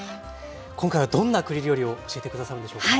今回はどんな栗料理を教えて下さるんでしょうか？